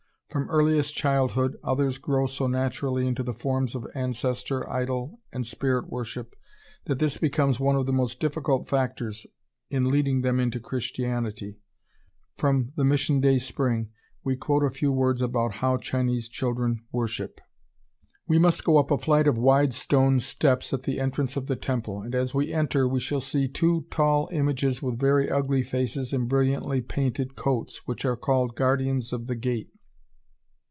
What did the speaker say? From earliest childhood others grow so naturally into the forms of ancestor, idol, and spirit worship that this becomes one of the most difficult factors in leading them into Christianity. From the Mission Day Spring we quote a few words about "how Chinese children worship." We must go up a flight of wide stone steps at the entrance of the temple, and as we enter we shall see two tall images with very ugly faces and brilliantly painted coats, which are called "Guardians of the Gate."